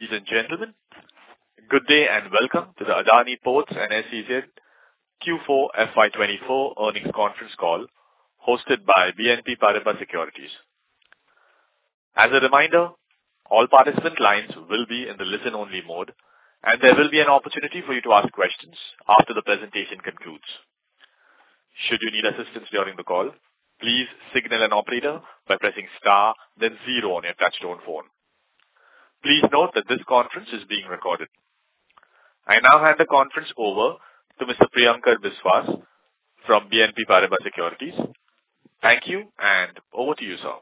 Ladies and gentlemen, good day and welcome to the Adani Ports and SEZ Q4 FY 2024 Earnings Conference Call hosted by BNP Paribas Securities. As a reminder, all participant lines will be in the listen-only mode, and there will be an opportunity for you to ask questions after the presentation concludes. Should you need assistance during the call, please signal an operator by pressing star, then zero on your touch-tone phone. Please note that this conference is being recorded. I now hand the conference over to Mr. Priyankar Biswas from BNP Paribas Securities. Thank you, and over to you, sir.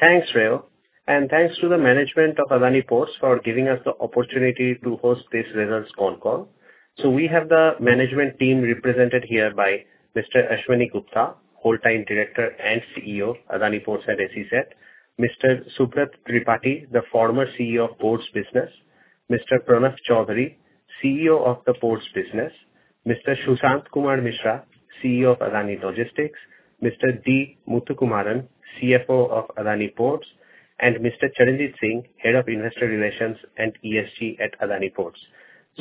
Thanks, Cyril. Thanks to the management of Adani Ports for giving us the opportunity to host this results phone call. We have the management team represented here by Mr. Ashwani Gupta, Whole-time Director and CEO of Adani Ports and SEZ, Mr. Subrat Tripathy, the former CEO of Ports Business, Mr. Pranav Choudhary, CEO of the Ports Business, Mr. Sushant Mishra, CEO of Adani Logistics, Mr. D. Muthukumaran, CFO of Adani Ports, and Mr. Charanjit Singh, Head of Investor Relations and ESG at Adani Ports.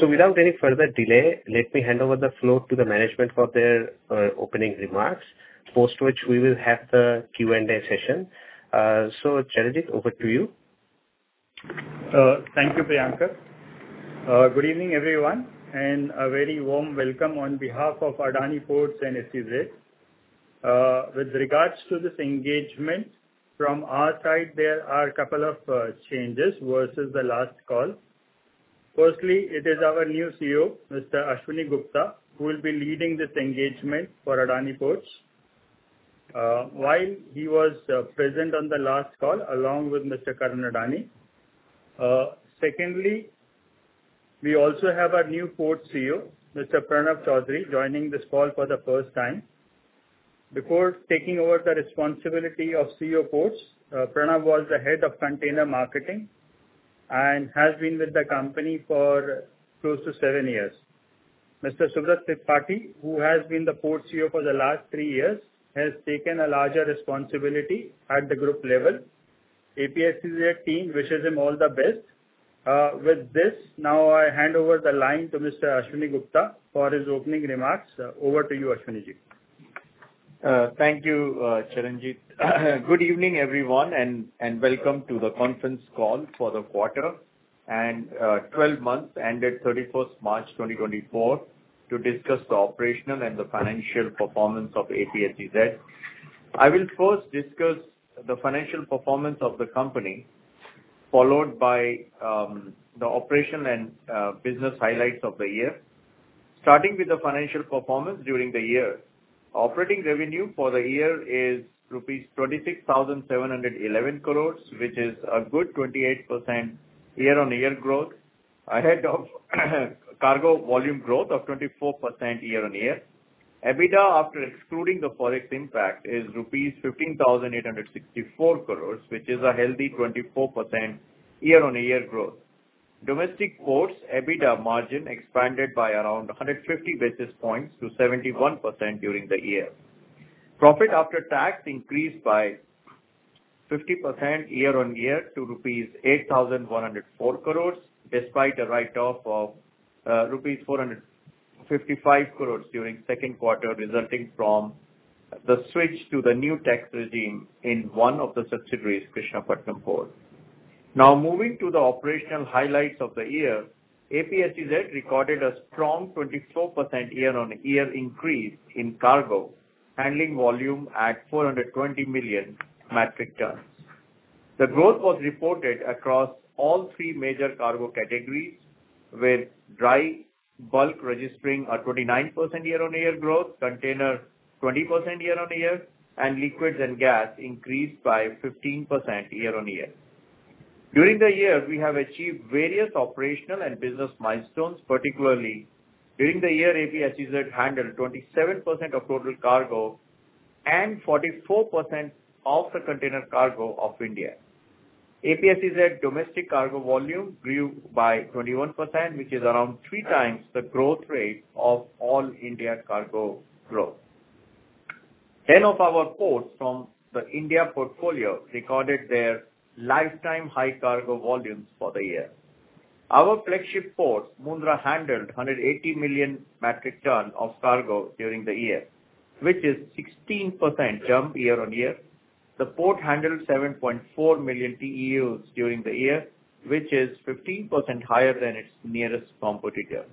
Without any further delay, let me hand over the floor to the management for their opening remarks, post which we will have the Q&A session. Charanjit, over to you. Thank you, Priyankar. Good evening, everyone, and a very warm welcome on behalf of Adani Ports and SEZ. With regards to this engagement, from our side, there are a couple of changes versus the last call. Firstly, it is our new CEO, Mr. Ashwani Gupta, who will be leading this engagement for Adani Ports while he was present on the last call along with Mr. Karan Adani. Secondly, we also have our new Ports CEO, Mr. Pranav Choudhary, joining this call for the first time. Before taking over the responsibility of CEO Ports, Pranav was the Head of Container Marketing and has been with the company for close to seven years. Mr. Subrat Tripathy, who has been the Ports CEO for the last three years, has taken a larger responsibility at the group level. APSEZ team wishes him all the best. With this, now I hand over the line to Mr. Ashwani Gupta for his opening remarks. Over to you, Ashwani. Thank you, Charanjit. Good evening, everyone, and welcome to the conference call for the quarter and 12 months ended 31st March 2024 to discuss the operational and the financial performance of APSEZ. I will first discuss the financial performance of the company, followed by the operational and business highlights of the year. Starting with the financial performance during the year, operating revenue for the year is rupees 26,711 crores, which is a good 28% year-on-year growth, ahead of cargo volume growth of 24% year-on-year. EBITDA, after excluding the forex impact, is rupees 15,864 crores, which is a healthy 24% year-on-year growth. Domestic ports EBITDA margin expanded by around 150 basis points to 71% during the year. Profit after tax increased by 50% year-on-year to rupees 8,104 crores despite a write-off of INR. 455 crore during second quarter resulting from the switch to the new tax regime in one of the subsidiaries, Krishnapatnam Port. Now moving to the operational highlights of the year, APSEZ recorded a strong 24% year-on-year increase in cargo handling volume at 420 million metric tons. The growth was reported across all three major cargo categories, with dry bulk registering a 29% year-on-year growth, Container 20% year-on-year, and liquids and gas increased by 15% year-on-year. During the year, we have achieved various operational and business milestones, particularly during the year APSEZ handled 27% of total cargo and 44% of the Container Cargo of India. APSEZ domestic cargo volume grew by 21%, which is around three times the growth rate of all India cargo growth. 10 of our ports from the India portfolio recorded their lifetime high cargo volumes for the year. Our flagship port, Mundra, handled 180 million metric tons of cargo during the year, which is 16% jump year-on-year. The port handled 7.4 million TEUs during the year, which is 15% higher than its nearest competitor.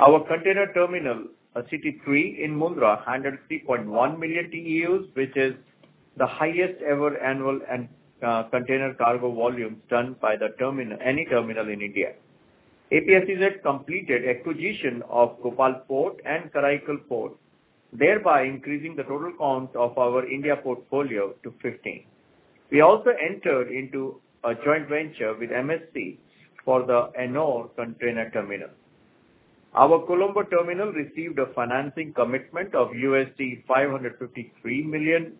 Our Container Terminal, CT3 in Mundra, handled 3.1 million TEUs, which is the highest-ever annual Container Cargo volumes done by any terminal in India. APSEZ completed acquisition of Gopalpur Port and Karaikal Port, thereby increasing the total count of our India portfolio to 15. We also entered into a joint venture with MSC for the Ennore Container Terminal. Our Colombo Terminal received a financing commitment of $553 million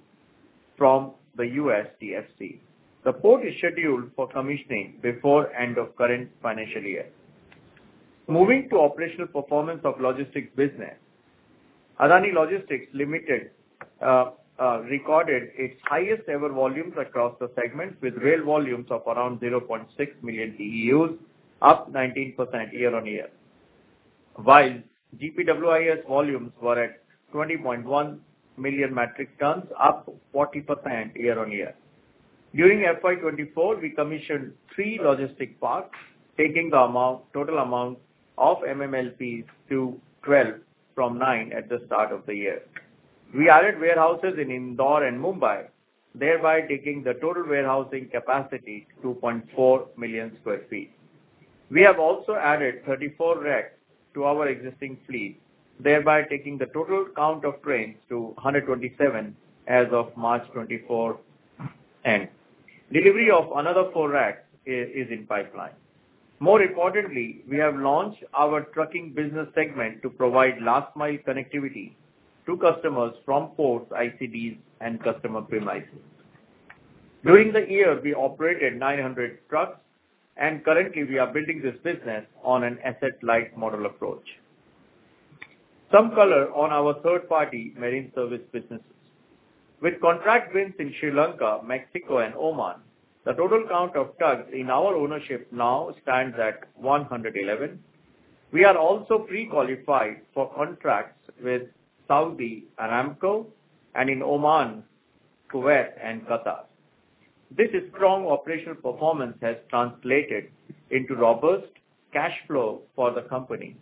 from the U.S. DFC. The port is scheduled for commissioning before the end of the current financial year. Moving to operational performance of logistics business, Adani Logistics Limited recorded its highest-ever volumes across the segment, with rail volumes of around 0.6 million TEUs, up 19% year-on-year, while GPWIS volumes were at 20.1 million metric tons, up 40% year-on-year. During FY 2024, we commissioned three logistics parks, taking the total amount of MMLPs to 12 from 9 at the start of the year. We added warehouses in Indore and Mumbai, thereby taking the total warehousing capacity to 2.4 million sq ft. We have also added 34 rakes to our existing fleet, thereby taking the total count of trains to 127 as of the end of March 2024. Delivery of another four rakes is in the pipeline. More importantly, we have launched our trucking business segment to provide last-mile connectivity to customers from ports, ICDs, and customer premises. During the year, we operated 900 trucks, and currently, we are building this business on an asset-light model approach. Some color on our third-party marine service businesses. With contract wins in Sri Lanka, Mexico, and Oman, the total count of tugs in our ownership now stands at 111. We are also pre-qualified for contracts with Saudi Aramco, and in Oman, Kuwait, and Qatar. This strong operational performance has translated into robust cash flow for the company.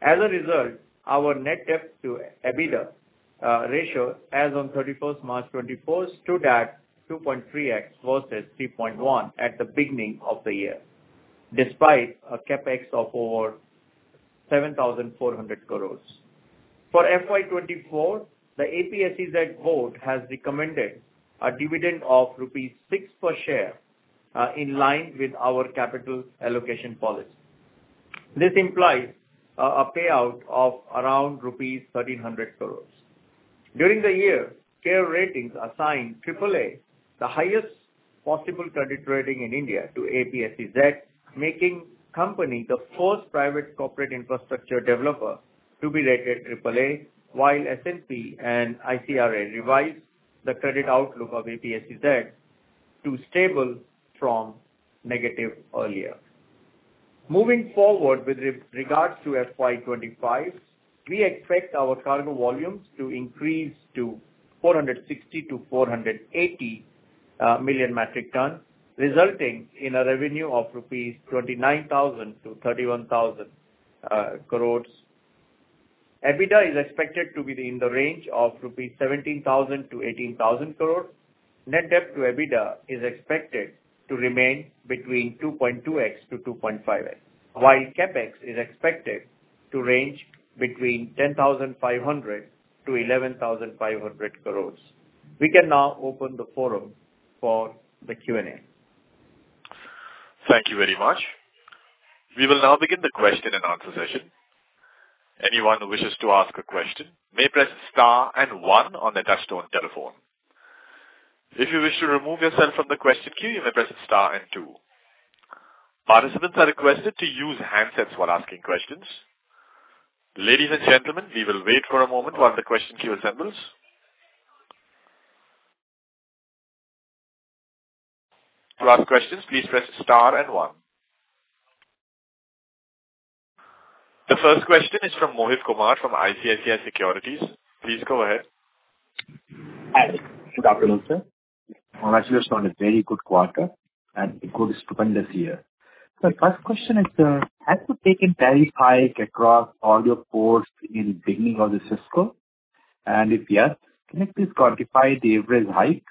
As a result, our net debt to EBITDA ratio as on 31st March 2024 stood at 2.3x versus 3.1x at the beginning of the year, despite a CapEx of over 7,400 crore. For FY 2024, the APSEZ board has recommended a dividend of rupees 6 per share, in line with our capital allocation policy. This implies a payout of around rupees 1,300 crore. During the year, CARE Ratings assigned AAA, the highest possible credit rating in India, to APSEZ, making the company the first private corporate infrastructure developer to be rated AAA, while S&P and ICRA revised the credit outlook of APSEZ to stable from negative earlier. Moving forward with regards to FY 2025, we expect our cargo volumes to increase to 460-480 million metric tons, resulting in a revenue of 29,000 crores-31,000 crores rupees. EBITDA is expected to be in the range of 17,000 crores-18,000 crores rupees. Net debt to EBITDA is expected to remain between 2.2x-2.5x, while CapEx is expected to range between 10,500 crores-11,500 crores. We can now open the forum for the Q&A. Thank you very much. We will now begin the question-and-answer session. Anyone who wishes to ask a question may press star and one on their touch-tone telephone. If you wish to remove yourself from the question queue, you may press star and two. Participants are requested to use handsets while asking questions. Ladies and gentlemen, we will wait for a moment while the question queue assembles. To ask questions, please press star and one. The first question is from Mohit Kumar from ICICI Securities. Please go ahead. Hi. Good afternoon, sir. Congratulations on a very good quarter and a good, stupendous year. My first question is, has it taken tariff hike across all your ports in the beginning of the fiscal? And if yes, can you please quantify the average hike?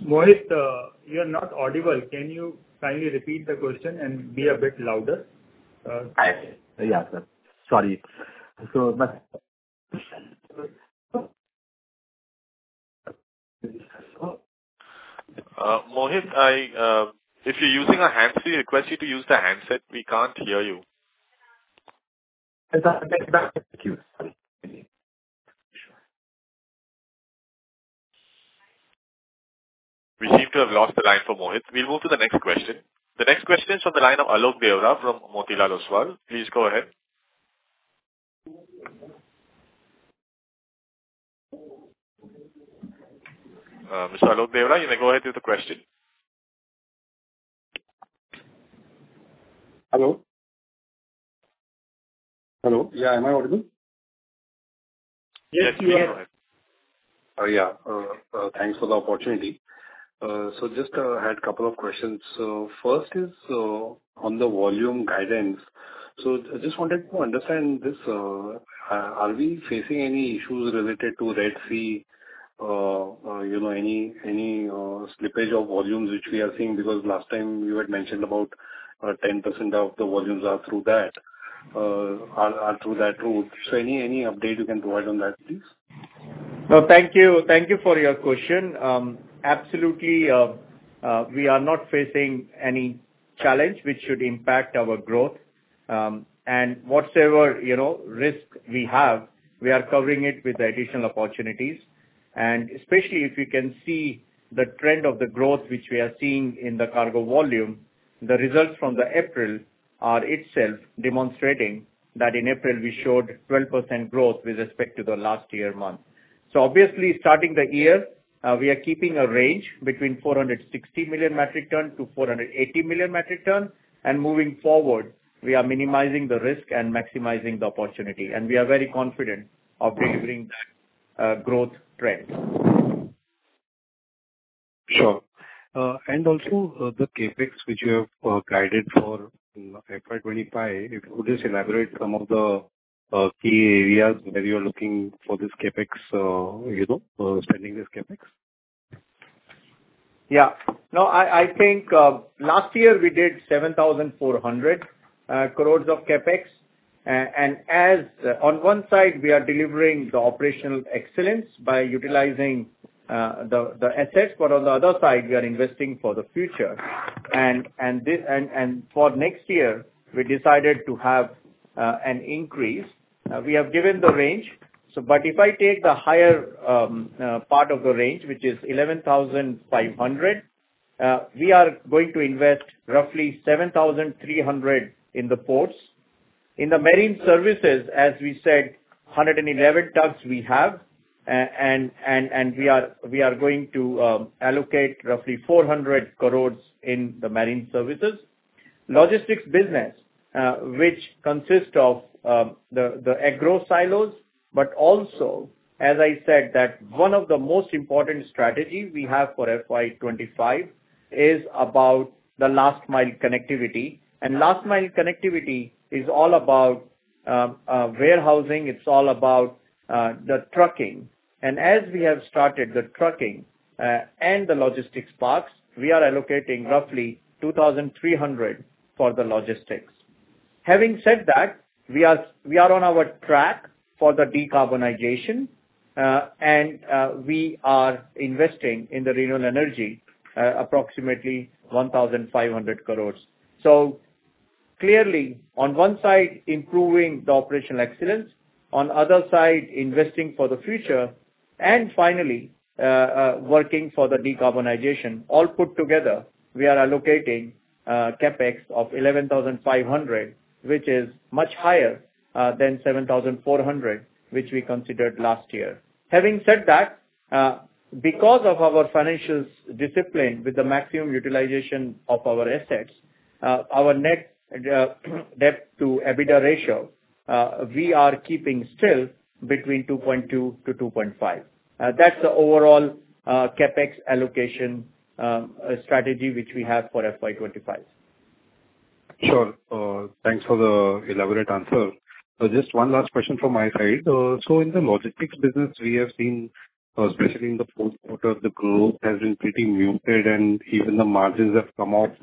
Mohit, you're not audible. Can you kindly repeat the question and be a bit louder? Yeah, sir. Sorry. Mohit, if you're using a handset, we request you to use the handset. We can't hear you. Excuse me. We seem to have lost the line for Mohit. We'll move to the next question. The next question is from the line of Alok Deora from Motilal Oswal. Please go ahead. Mr. Alok Deora, you may go ahead with the question. Hello? Hello? Yeah, am I audible? Yes, you are. Yes, you are. Go ahead. Yeah. Thanks for the opportunity. Just had a couple of questions. First is on the volume guidance. I just wanted to understand this. Are we facing any issues related to Red Sea, any slippage of volumes which we are seeing? Because last time, you had mentioned about 10% of the volumes are through that route. Any update you can provide on that, please? Thank you. Thank you for your question. Absolutely, we are not facing any challenge which should impact our growth. And whatever risk we have, we are covering it with additional opportunities. And especially if you can see the trend of the growth which we are seeing in the cargo volume, the results from April are itself demonstrating that in April, we showed 12% growth with respect to the last year month. So obviously, starting the year, we are keeping a range between 460 million metric tons-480 million metric tons. And moving forward, we are minimizing the risk and maximizing the opportunity. And we are very confident of delivering that growth trend. Sure. And also, the CapEx which you have guided for FY 2025, if you could just elaborate some of the key areas where you're looking for this CapEx, spending this CapEx? Yeah. No, I think last year, we did 7,400 crore of CapEx. And on one side, we are delivering the operational excellence by utilizing the assets. But on the other side, we are investing for the future. And for next year, we decided to have an increase. We have given the range. But if I take the higher part of the range, which is 11,500 crore, we are going to invest roughly 7,300 crore in the ports. In the marine services, as we said, 111 tugs we have. And we are going to allocate roughly 400 crore in the marine services. Logistics business, which consists of the agri silos, but also, as I said, that one of the most important strategies we have for FY 2025 is about the last-mile connectivity. And last-mile connectivity is all about warehousing. It's all about the trucking. As we have started the trucking and the logistics parks, we are allocating roughly 2,300 crore for the logistics. Having said that, we are on our track for the decarbonization. We are investing in the renewable energy, approximately 1,500 crore. So clearly, on one side, improving the operational excellence. On the other side, investing for the future. Finally, working for the decarbonization. All put together, we are allocating CapEx of 11,500 crore, which is much higher than 7,400 crore, which we considered last year. Having said that, because of our financial discipline with the maximum utilization of our assets, our net debt to EBITDA ratio, we are keeping still between 2.2-2.5. That's the overall CapEx allocation strategy which we have for FY 2025. Sure. Thanks for the elaborate answer. Just one last question from my side. So in the logistics business, we have seen, especially in the fourth quarter, the growth has been pretty muted. And even the margins have come up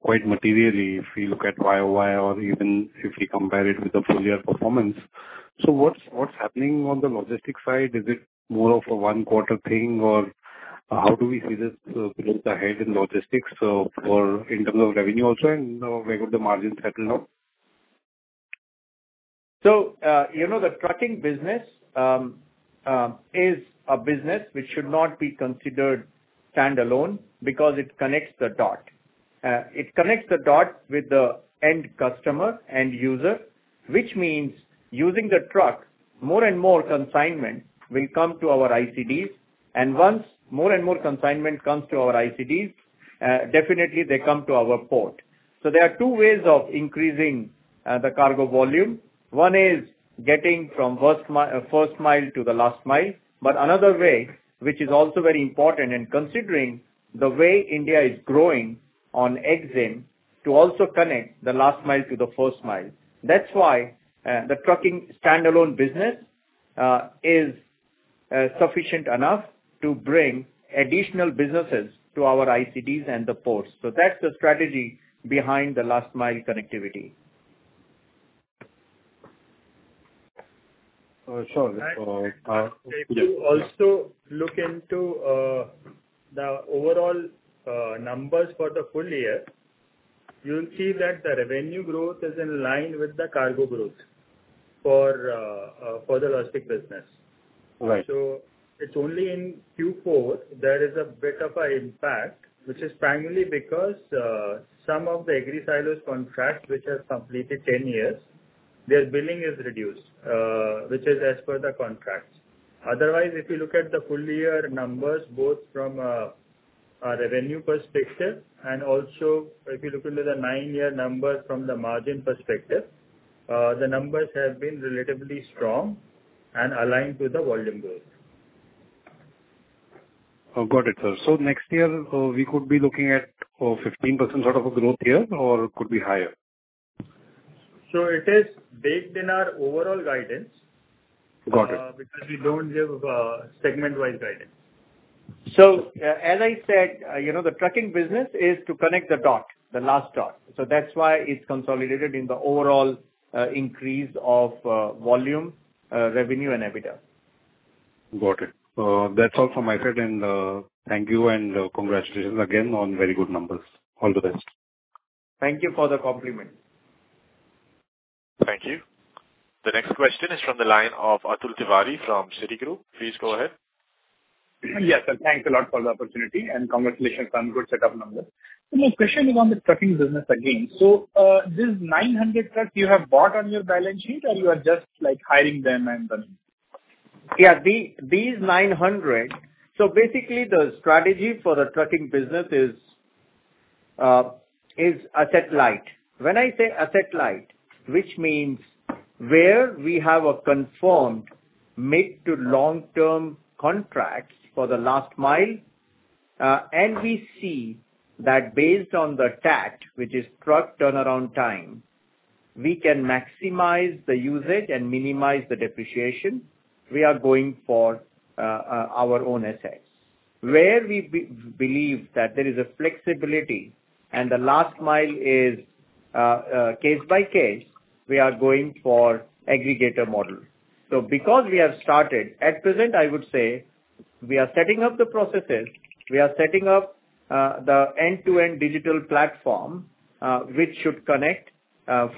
quite materially if you look at YoY or even if you compare it with the full-year performance. So what's happening on the logistics side? Is it more of a one-quarter thing? Or how do we see this growth ahead in logistics in terms of revenue also? And where could the margins settle down? So the trucking business is a business which should not be considered standalone because it connects the dot. It connects the dot with the end customer and user, which means using the truck, more and more consignment will come to our ICDs. And once more and more consignment comes to our ICDs, definitely, they come to our port. So there are two ways of increasing the cargo volume. One is getting from first mile to the last mile. But another way, which is also very important and considering the way India is growing on EXIM, to also connect the last mile to the first mile. That's why the trucking standalone business is sufficient enough to bring additional businesses to our ICDs and the ports. So that's the strategy behind the last-mile connectivity. Sure. If you also look into the overall numbers for the full year, you'll see that the revenue growth is in line with the cargo growth for the logistics business. So it's only in Q4 there is a bit of an impact, which is primarily because some of the agri silos contracts, which have completed 10 years, their billing is reduced, which is as per the contracts. Otherwise, if you look at the full-year numbers, both from a revenue perspective and also if you look into the nine-year numbers from the margin perspective, the numbers have been relatively strong and aligned to the volume growth. Got it, sir. So next year, we could be looking at 15% sort of a growth here? Or could it be higher? So it is based in our overall guidance because we don't give segment-wise guidance. As I said, the trucking business is to connect the dot, the last dot. That's why it's consolidated in the overall increase of volume, revenue, and EBITDA. Got it. That's all from my side. Thank you and congratulations again on very good numbers. All the best. Thank you for the compliment. Thank you. The next question is from the line of Atul Tiwari from Citigroup. Please go ahead. Yes, sir. Thanks a lot for the opportunity. Congratulations on good setup numbers. My question is on the trucking business again. So these 900 trucks, you have bought on your balance sheet? Or you are just hiring them and running? Yeah. So basically, the strategy for the trucking business is asset light. When I say asset light, which means where we have a confirmed mid- to long-term contract for the last mile, and we see that based on the TAT, which is truck turnaround time, we can maximize the usage and minimize the depreciation, we are going for our own assets. Where we believe that there is a flexibility and the last mile is case by case, we are going for aggregator model. So because we have started, at present, I would say we are setting up the processes. We are setting up the end-to-end digital platform, which should connect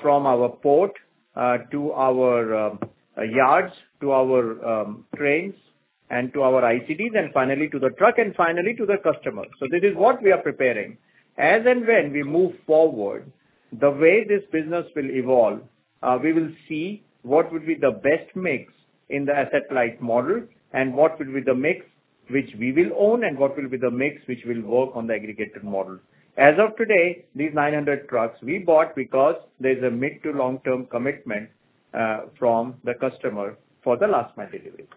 from our port to our yards, to our trains, and to our ICDs, and finally to the truck, and finally to the customer. So this is what we are preparing. As and when we move forward, the way this business will evolve, we will see what would be the best mix in the asset-light model and what would be the mix which we will own and what will be the mix which will work on the aggregator model. As of today, these 900 trucks, we bought because there's a mid- to long-term commitment from the customer for the last mile delivery.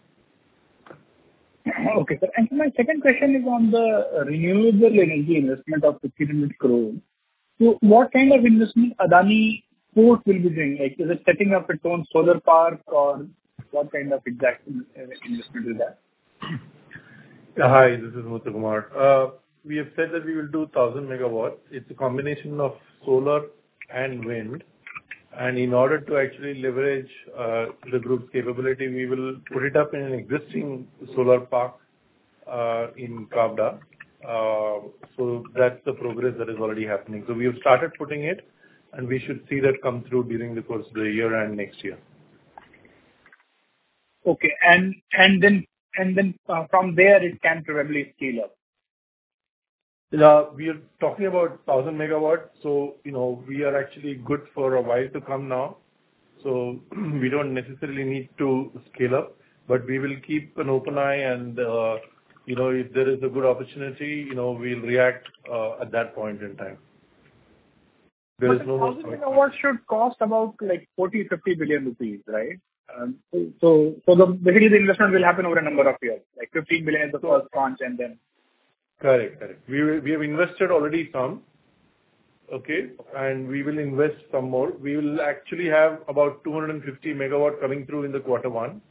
Okay, sir. My second question is on the renewable energy investment of 1,500 crore. What kind of investment Adani Ports will be doing? Is it setting up its own solar park? Or what kind of exact investment is that? Hi. This is Muthukumaran. We have said that we will do 1,000 MW. It's a combination of solar and wind. And in order to actually leverage the group's capability, we will put it up in an existing solar park in Khavda. So that's the progress that is already happening. So we have started putting it. And we should see that come through during the course of the year and next year. Okay. And then from there, it can probably scale up? We are talking about 1,000 MW. So we are actually good for a while to come now. So we don't necessarily need to scale up. But we will keep an open eye. And if there is a good opportunity, we'll react at that point in time. There is no hesitation. So 1,000 MW should cost about 40-50 billion rupees, right? So basically, the investment will happen over a number of years, like 15 billion is the first launch and then? Correct. Correct. We have invested already some. Okay? We will invest some more. We will actually have about 250 MW coming through in quarter one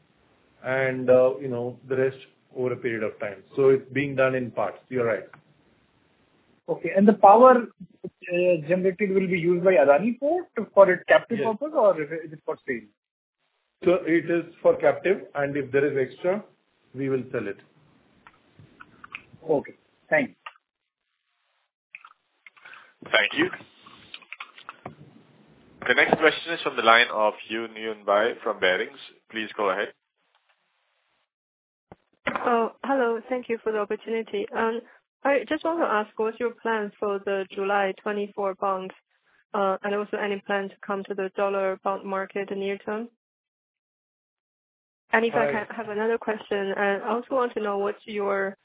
and the rest over a period of time. It's being done in parts. You're right. Okay. The power generated will be used by Adani Ports for its captive purpose? Or is it for sale? So it is for captive. And if there is extra, we will sell it. Okay. Thanks. Thank you. The next question is from the line of Yunyun Bai from Barings. Please go ahead. Hello. Thank you for the opportunity. I just want to ask, what's your plan for the July 2024 bonds? And also, any plan to come to the dollar bond market in the near term? And if I have another question, I also want to know what's your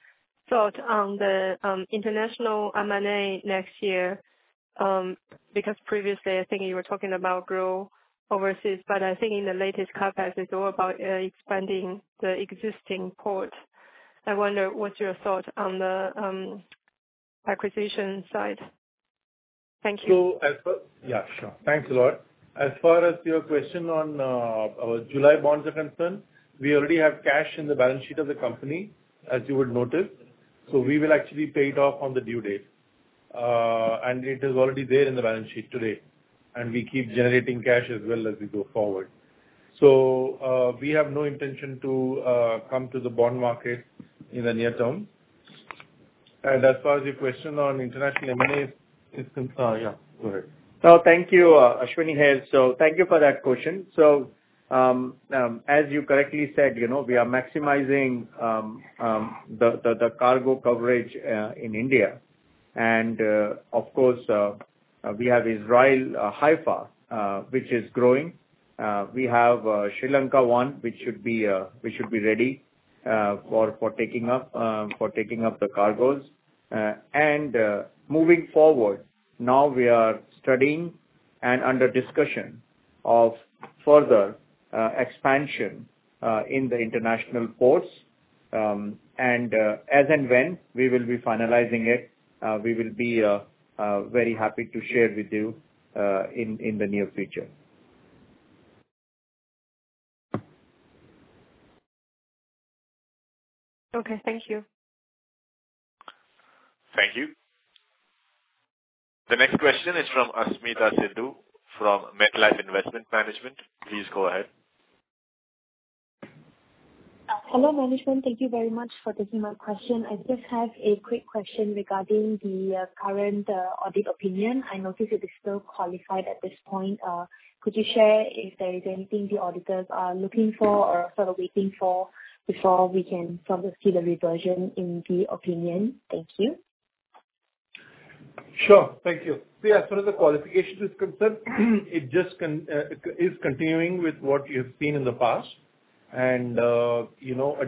thought on the international M&A next year? Because previously, I think you were talking about growth overseas. But I think in the latest CapEx, it's all about expanding the existing port. I wonder, what's your thought on the acquisition side? Thank you. Yeah. Sure. Thanks a lot. As far as your question on our July bonds are concerned, we already have cash in the balance sheet of the company, as you would notice. So we will actually pay it off on the due date. And it is already there in the balance sheet today. And we keep generating cash as well as we go forward. So we have no intention to come to the bond market in the near term. And as far as your question on international M&A is concerned, yeah, go ahead. Thank you, Ashwani here. Thank you for that question. As you correctly said, we are maximizing the cargo coverage in India. Of course, we have Israel Haifa, which is growing. We have Sri Lanka one, which should be ready for taking up the cargoes. Moving forward, now we are studying and under discussion of further expansion in the international ports. As and when we will be finalizing it, we will be very happy to share with you in the near future. Okay. Thank you. Thank you. The next question is from Asmeeta Sidhu from MetLife Investment Management. Please go ahead. Hello, management. Thank you very much for taking my question. I just have a quick question regarding the current audit opinion. I notice it is still qualified at this point. Could you share if there is anything the auditors are looking for or sort of waiting for before we can sort of see the reversion in the opinion? Thank you. Sure. Thank you. So yes, sort of the qualification is concerned, it just is continuing with what you have seen in the past. And a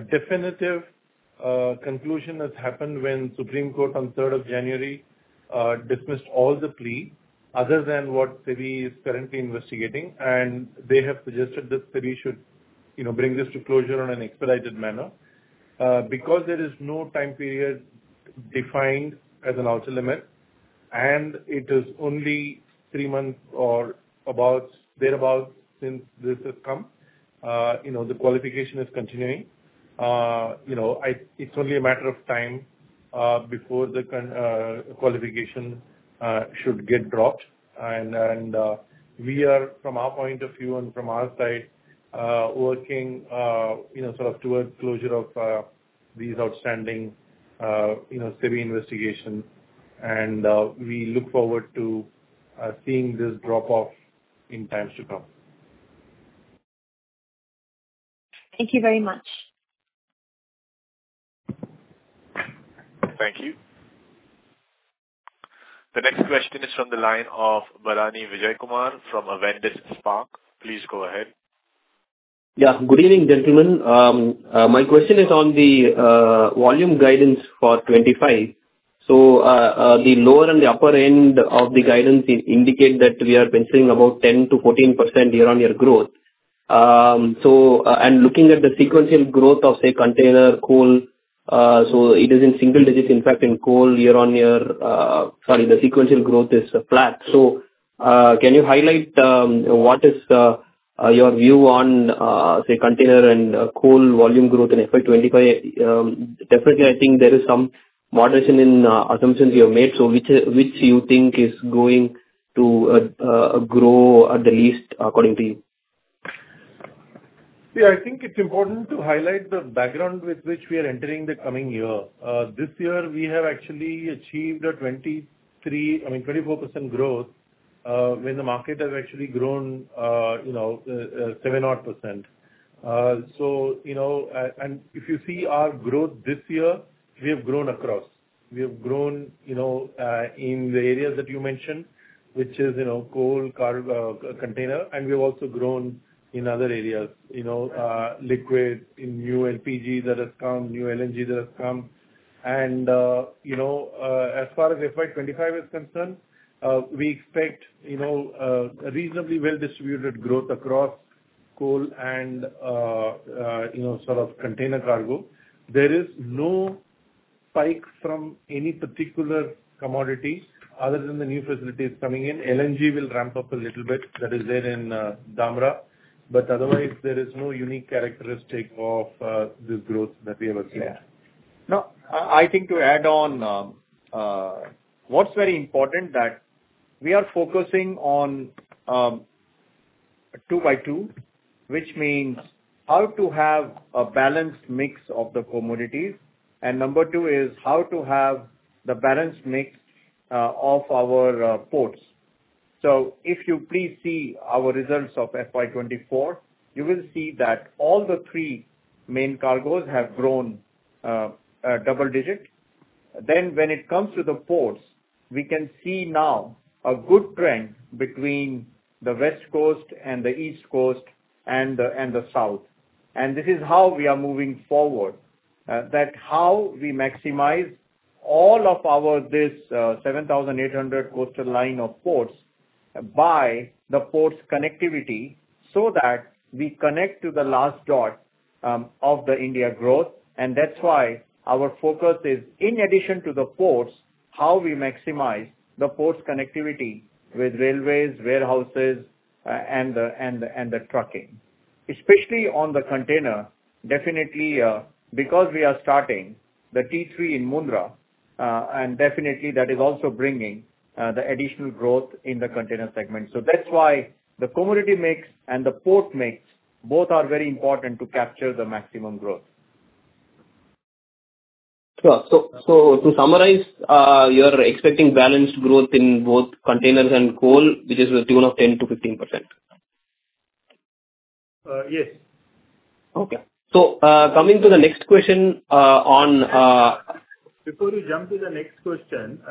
definitive conclusion has happened when Supreme Court, on 3rd of January, dismissed all the pleas other than what SEBI is currently investigating. And they have suggested that SEBI should bring this to closure in an expedited manner because there is no time period defined as an ultimate. And it is only three months or thereabouts since this has come. The qualification is continuing. It's only a matter of time before the qualification should get dropped. And we are, from our point of view and from our side, working sort of towards closure of these outstanding SEBI investigations. And we look forward to seeing this drop-off in times to come. Thank you very much. Thank you. The next question is from the line of Bharanidhar Vijayakumar from Avendus Spark. Please go ahead. Yeah. Good evening, gentlemen. My question is on the volume guidance for 2025. So the lower and the upper end of the guidance indicate that we are considering about 10%-14% year-on-year growth. And looking at the sequential growth of, say, Container, Coal so it is in single digits. In fact, in Coal, year-on-year sorry, the sequential growth is flat. So can you highlight what is your view on, say, Container and Coal volume growth in FY 2025? Definitely, I think there is some moderation in assumptions you have made. So which do you think is going to grow the least, according to you? Yeah. I think it's important to highlight the background with which we are entering the coming year. This year, we have actually achieved a 24% growth when the market has actually grown 7-odd percent. And if you see our growth this year, we have grown across. We have grown in the areas that you mentioned, which is Coal, Container. And we have also grown in other areas, liquid, in new LPG that has come, new LNG that has come. And as far as FY 2025 is concerned, we expect a reasonably well-distributed growth across Coal and sort of Container Cargo. There is no spike from any particular commodity other than the new facilities coming in. LNG will ramp up a little bit. That is there in Dhamra. But otherwise, there is no unique characteristic of this growth that we have seen. Yeah. Now, I think to add on, what's very important that we are focusing on two by two, which means how to have a balanced mix of the commodities. And number two is how to have the balanced mix of our ports. So if you please see our results of FY 2024, you will see that all the three main cargoes have grown double-digit. Then when it comes to the ports, we can see now a good trend between the West Coast and the East Coast and the South. And this is how we are moving forward, that how we maximize all of this 7,800 coastal line of ports by the ports' connectivity so that we connect to the last dot of the India growth. That's why our focus is, in addition to the ports, how we maximize the ports' connectivity with railways, warehouses, and the trucking, especially on the Container, definitely because we are starting the T3 in Mundra. Definitely, that is also bringing the additional growth in the Container segment. That's why the commodity mix and the port mix both are very important to capture the maximum growth. Sure. To summarize, you are expecting balanced growth in both Container and Coal, which is in tune of 10%-15%? Yes. O`kay. Coming to the next question on. Before you jump to the next question,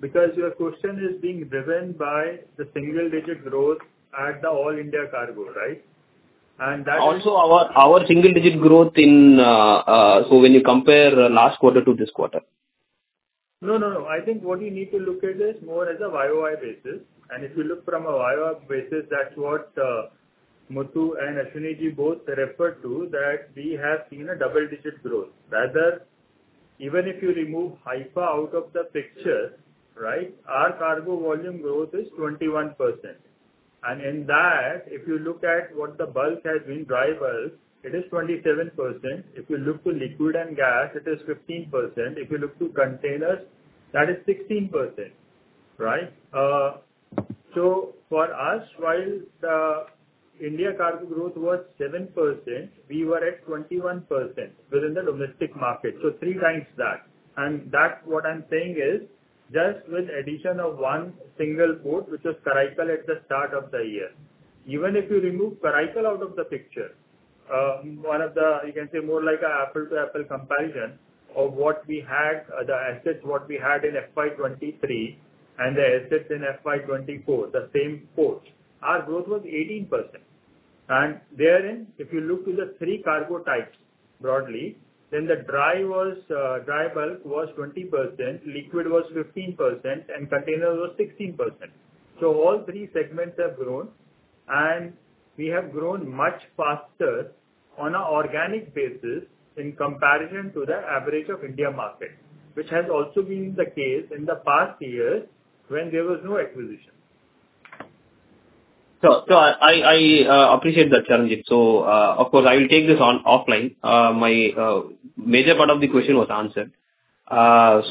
because your question is being driven by the single-digit growth at the all-India cargo, right? And that is. Also, our single-digit growth in so when you compare last quarter to this quarter. No, no, no. I think what you need to look at is more as a YoY basis. And if you look from a YoY basis, that's what Muthukumaran and Ashwani both referred to, that we have seen a double-digit growth. Rather, even if you remove Haifa out of the picture, right, our cargo volume growth is 21%. And in that, if you look at what the bulk has been driven it is 27%. If you look to liquid and gas, it is 15%. If you look to Container, that is 16%, right? So for us, while the India cargo growth was 7%, we were at 21% within the domestic market, so three times that. And what I'm saying is just with the addition of one single port, which was Karaikal at the start of the year, even if you remove Karaikal out of the picture, one of the you can say more like an apple-to-apple comparison of what we had, the assets what we had in FY 2023 and the assets in FY 2024, the same port, our growth was 18%. And therein, if you look to the three cargo types broadly, then the dry bulk was 20%, liquid was 15%, and Container were 16%. So all three segments have grown. And we have grown much faster on an organic basis in comparison to the average of India market, which has also been the case in the past years when there was no acquisition. So I appreciate that, Charanjit. So of course, I will take this on offline. My major part of the question was answered.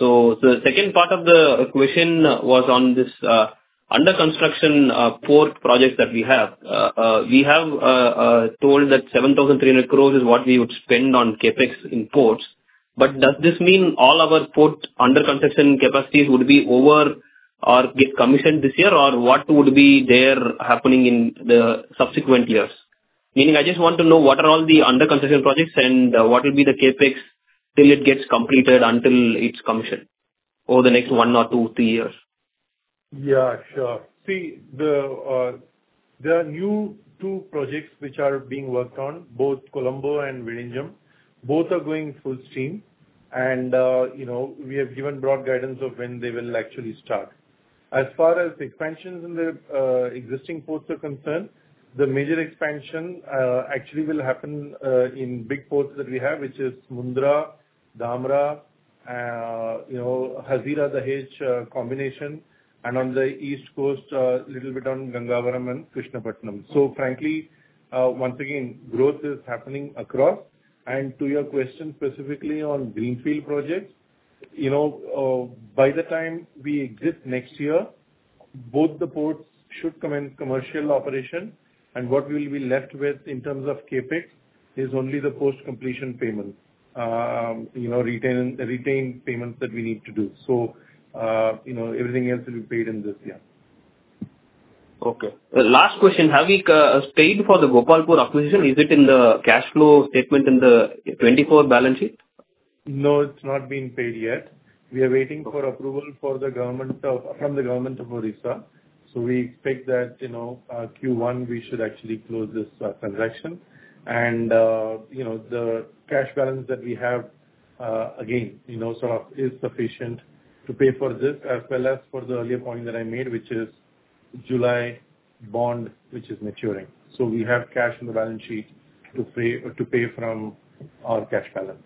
So the second part of the question was on this under-construction port project that we have. We have told that 7,300 crore is what we would spend on CapEx in ports. But does this mean all our port under-construction capacities would be over or get commissioned this year? Or what would be there happening in the subsequent years? Meaning, I just want to know what are all the under-construction projects and what will be the CapEx till it gets completed, until it's commissioned over the next one or two, three years? Yeah. Sure. See, there are two new projects which are being worked on, both Colombo and Vizhinjam. Both are going full steam. And we have given broad guidance of when they will actually start. As far as expansions in the existing ports are concerned, the major expansion actually will happen in big ports that we have, which is Mundra, Dhamra, Hazira, the H combination. And on the East Coast, a little bit on Gangavaram and Krishnapatnam. So frankly, once again, growth is happening across. And to your question specifically on greenfield projects, by the time we exit next year, both the ports should come in commercial operation. And what we will be left with in terms of CapEx is only the post-completion payments, retained payments that we need to do. So everything else will be paid in this year. Okay. Last question. Have we paid for the Gopalpur acquisition? Is it in the cash flow statement in the 2024 balance sheet? No, it's not been paid yet. We are waiting for approval from the Government of Odisha. So we expect that Q1, we should actually close this transaction. And the cash balance that we have, again, sort of is sufficient to pay for this as well as for the earlier point that I made, which is July bond, which is maturing. So we have cash in the balance sheet to pay from our cash balance.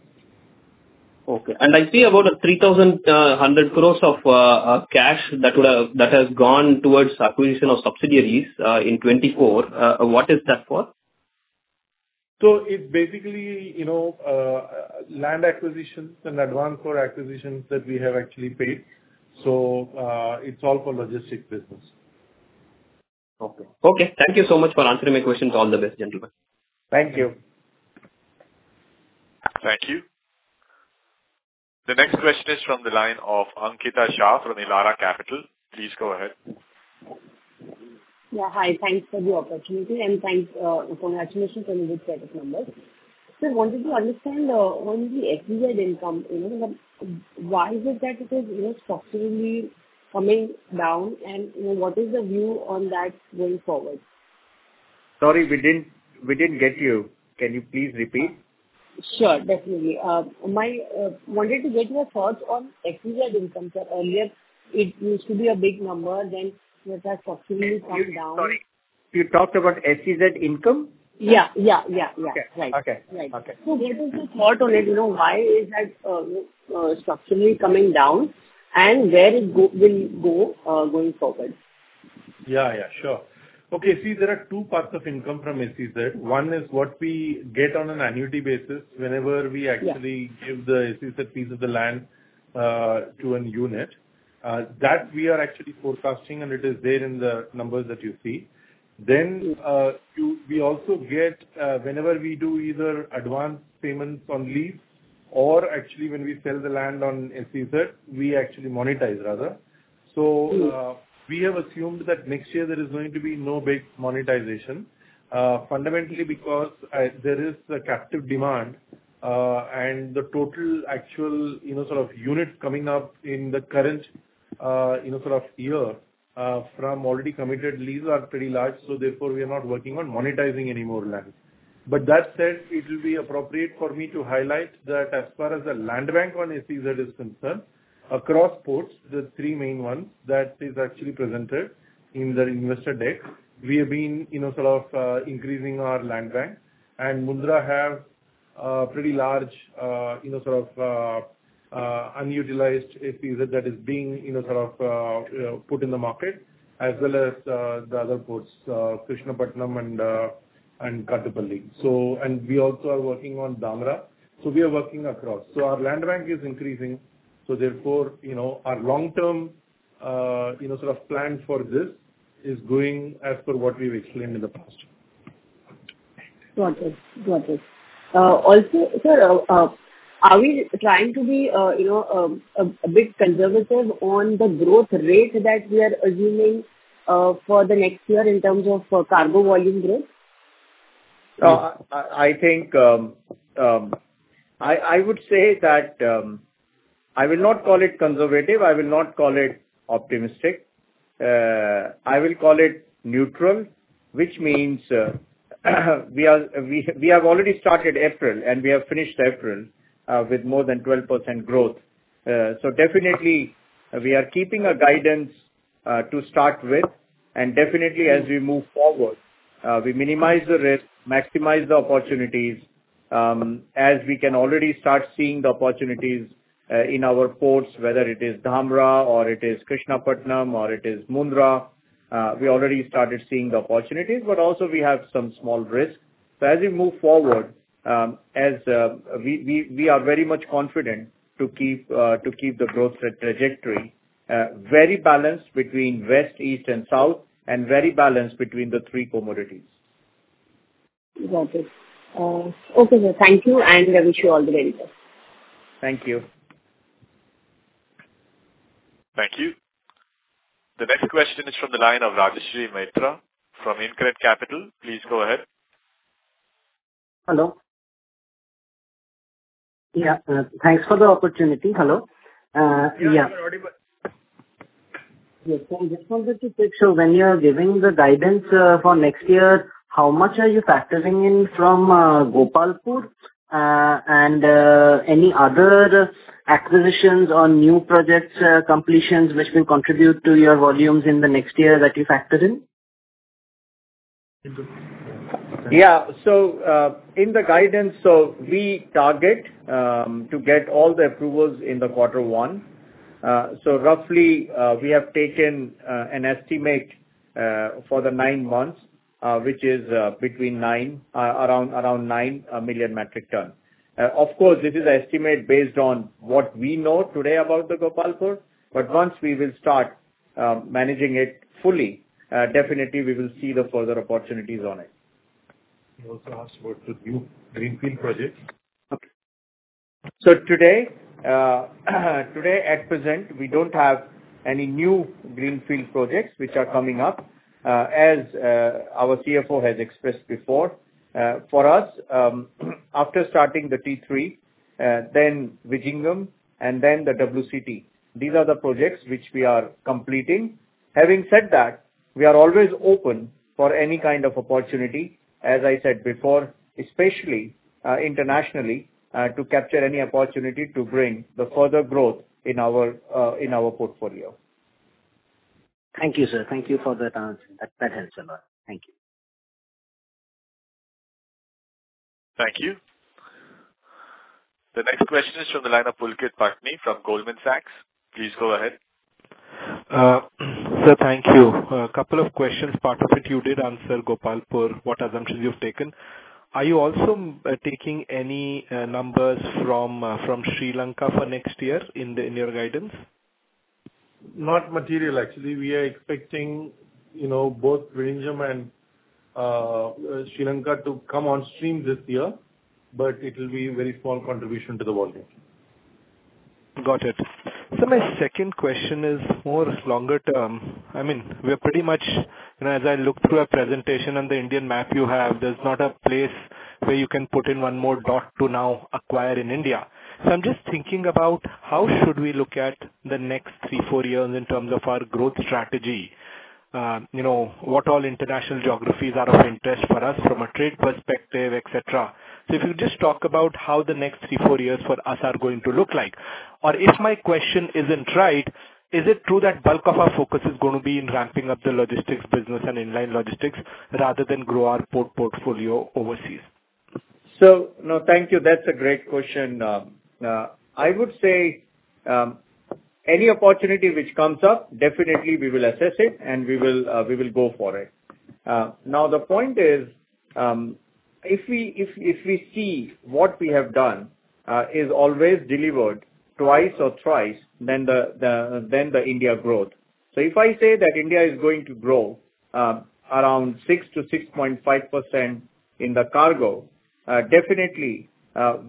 Okay. I see about 3,100 crore of cash that has gone towards acquisition of subsidiaries in 2024. What is that for? It's basically land acquisitions and advance for acquisitions that we have actually paid. It's all for logistics business. Okay. Okay. Thank you so much for answering my questions. All the best, gentlemen. Thank you. Thank you. The next question is from the line of Ankita Shah from Elara Capital. Please go ahead. Yeah. Hi. Thanks for the opportunity. Thanks for taking my question on the good Q4 numbers. So I wanted to understand other income, why is it that it is structurally coming down? And what is the view on that going forward? Sorry, we didn't get you. Can you please repeat? Sure. Definitely. I wanted to get your thoughts on other income. Earlier, it used to be a big number. Then it has structurally come down. Sorry. You talked about SEZ income? Yeah. Yeah. Yeah. Yeah. Right. Right. So what is your thought on it? Why is that structurally coming down? And where will it go going forward? Yeah. Yeah. Sure. Okay. See, there are two parts of income from SEZ. One is what we get on an annuity basis whenever we actually give the SEZ piece of the land to a unit. That we are actually forecasting. And it is there in the numbers that you see. Then we also get whenever we do either advance payments on lease or actually when we sell the land on SEZ, we actually monetize, rather. So we have assumed that next year, there is going to be no big monetization, fundamentally because there is captive demand. And the total actual sort of units coming up in the current sort of year from already committed lease are pretty large. So therefore, we are not working on monetizing any more land. But that said, it will be appropriate for me to highlight that as far as the land bank on acquired is concerned, across ports, the three main ones that is actually presented in the investor deck, we have been sort of increasing our land bank. Mundra has a pretty large sort of unutilized acquired that is being sort of put in the market as well as the other ports, Krishnapatnam and Kattupalli. We also are working on Dhamra. So we are working across. So our land bank is increasing. So therefore, our long-term sort of plan for this is going as per what we've explained in the past. Got it. Got it. Also, sir, are we trying to be a bit conservative on the growth rate that we are assuming for the next year in terms of cargo volume growth? I think I would say that I will not call it conservative. I will not call it optimistic. I will call it neutral, which means we have already started April, and we have finished April with more than 12% growth. Definitely, we are keeping a guidance to start with. And definitely, as we move forward, we minimize the risk, maximize the opportunities as we can already start seeing the opportunities in our ports, whether it is Dhamra or it is Krishnapatnam or it is Mundra. We already started seeing the opportunities. But also, we have some small risk. So as we move forward, we are very much confident to keep the growth trajectory very balanced between West, East, and South and very balanced between the three commodities. Got it. Okay, sir. Thank you. I wish you all the very best. Thank you. Thank you. The next question is from the line of Rajarshi Maitra from InCred Capital. Please go ahead. Hello. Yeah. Thanks for the opportunity. I just wanted to make sure when you are giving the guidance for next year, how much are you factoring in from Gopalpur and any other acquisitions or new projects completions which will contribute to your volumes in the next year that you factor in? Yeah. In the guidance, so we target to get all the approvals in quarter one. Roughly, we have taken an estimate for the nine months, which is between 9, around 9 million metric tons. Of course, this is an estimate based on what we know today about the Gopalpur. But once we will start managing it fully, definitely, we will see the further opportunities on it. We also asked about the new greenfield projects. So today, at present, we don't have any new greenfield projects which are coming up, as our CFO has expressed before. For us, after starting the T3, then Vizhinjam, and then the WCT, these are the projects which we are completing. Having said that, we are always open for any kind of opportunity, as I said before, especially internationally, to capture any opportunity to bring the further growth in our portfolio. Thank you, sir. Thank you for that answer. That helps a lot. Thank you. Thank you. The next question is from the line of Pulkit Patni from Goldman Sachs. Please go ahead. Sir, thank you. A couple of questions. Part of it, you did answer Gopalpur, what assumptions you've taken. Are you also taking any numbers from Sri Lanka for next year in your guidance? Not material, actually. We are expecting both Vizhinjam and Sri Lanka to come on stream this year. It will be a very small contribution to the volume. Got it. So my second question is more long-term. I mean, we are pretty much as I look through a presentation on the Indian map you have, there's not a place where you can put in one more dot to now acquire in India. So I'm just thinking about how should we look at the next three, four years in terms of our growth strategy, what all international geographies are of interest for us from a trade perspective, etc. So if you could just talk about how the next three, four years for us are going to look like. Or if my question isn't right, is it true that bulk of our focus is going to be in ramping up the logistics business and inland logistics rather than grow our port portfolio overseas? So no, thank you. That's a great question. I would say any opportunity which comes up, definitely, we will assess it, and we will go for it. Now, the point is if we see what we have done is always delivered twice or thrice, then the India growth. So if I say that India is going to grow around 6%-6.5% in the cargo, definitely,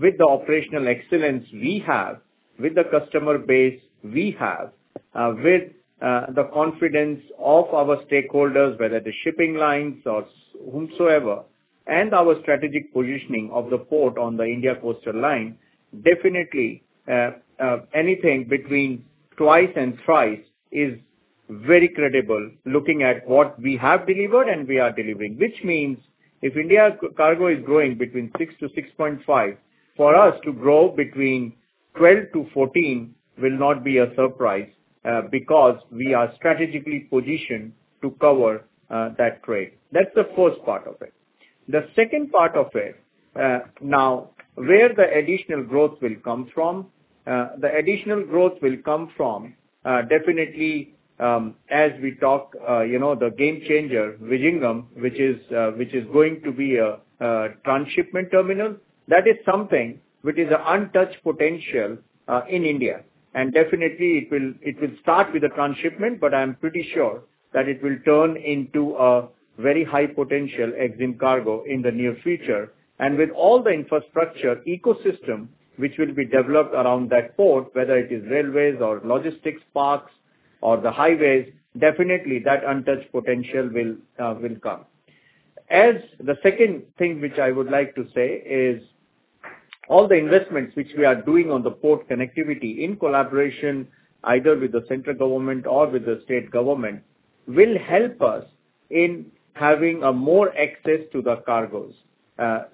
with the operational excellence we have, with the customer base we have, with the confidence of our stakeholders, whether it is shipping lines or whomsoever, and our strategic positioning of the port on the India coastal line, definitely, anything between twice and thrice is very credible looking at what we have delivered and we are delivering. Which means if India cargo is growing between 6%-6.5%, for us to grow between 12-14 will not be a surprise because we are strategically positioned to cover that trade. That's the first part of it. The second part of it, now, where the additional growth will come from, the additional growth will come from, definitely, as we talk, the game changer, Vizhinjam, which is going to be a transshipment terminal. That is something which is an untouched potential in India. And definitely, it will start with a transshipment. But I'm pretty sure that it will turn into a very high-potential EXIM cargo in the near future. And with all the infrastructure ecosystem which will be developed around that port, whether it is railways or logistics parks or the highways, definitely, that untouched potential will come. The second thing which I would like to say is all the investments which we are doing on the port connectivity in collaboration either with the central government or with the state government will help us in having more access to the cargoes.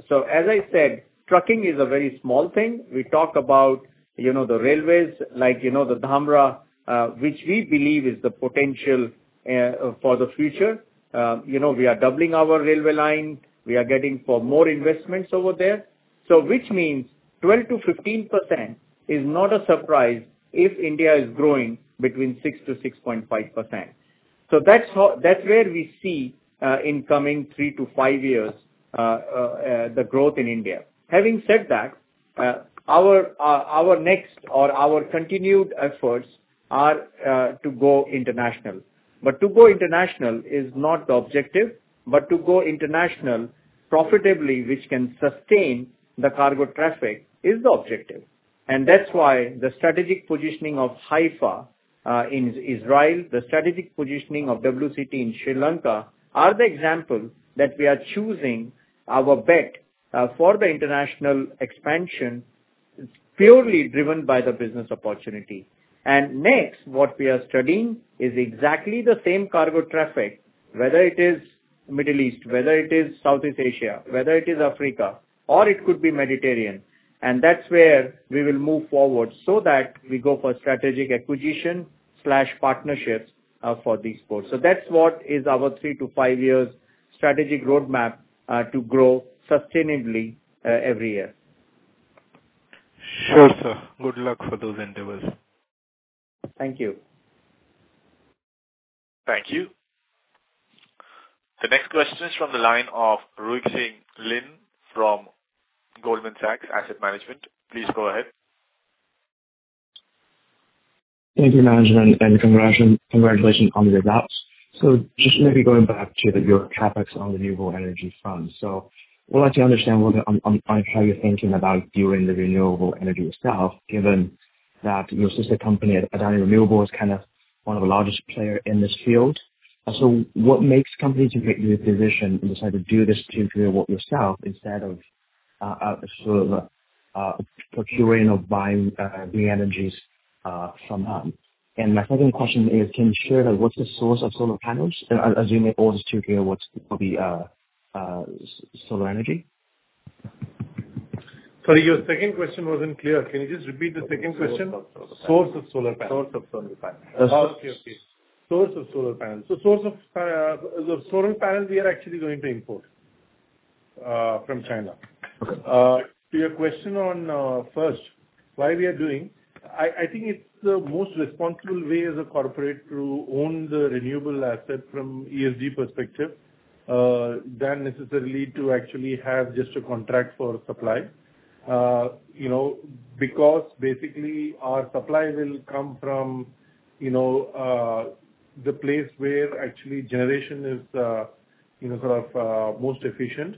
So as I said, trucking is a very small thing. We talk about the railways like the Dhamra, which we believe is the potential for the future. We are doubling our railway line. We are getting more investments over there. So which means 12%-15% is not a surprise if India is growing between 6%-6.5%. So that's where we see in coming three to five years the growth in India. Having said that, our next or our continued efforts are to go international. But to go international is not the objective. But to go international profitably, which can sustain the cargo traffic, is the objective. And that's why the strategic positioning of Haifa in Israel, the strategic positioning of WCT in Sri Lanka are the example that we are choosing our bet for the international expansion purely driven by the business opportunity. And next, what we are studying is exactly the same cargo traffic, whether it is Middle East, whether it is Southeast Asia, whether it is Africa, or it could be Mediterranean. And that's where we will move forward so that we go for strategic acquisition/partnerships for these ports. So that's what is our three to five years strategic roadmap to grow sustainably every year. Sure, sir. Good luck for those endeavors. Thank you. Thank you. The next question is from the line of Ruixing Lin from Goldman Sachs Asset Management. Please go ahead. Thank you, management. Congratulations on the results. So just maybe going back to your CapEx on renewable energy funds. So we'd like to understand a little bit on how you're thinking about doing the renewable energy yourself given that your sister company, Adani Renewables, is kind of one of the largest players in this field. So what makes companies make this decision and decide to do this to do it yourself instead of sort of procuring or buying green energies from them? And my second question is, can you share what's the source of solar panels? Assuming all this too clear, what would be solar energy? Sorry, your second question wasn't clear. Can you just repeat the second question? Source of solar panels. Source of solar panels. Okay, okay. Source of solar panels. So source of solar panels, we are actually going to import from China. To your question on first, why we are doing, I think it's the most responsible way as a corporate to own the renewable asset from ESG perspective than necessarily to actually have just a contract for supply because basically, our supply will come from the place where actually generation is sort of most efficient.